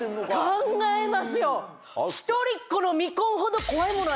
考えますよ！